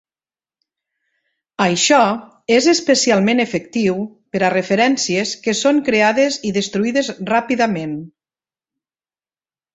Això és especialment efectiu per a referències que són creades i destruïdes ràpidament.